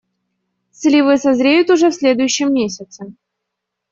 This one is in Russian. Сливы созреют уже в следующем месяце.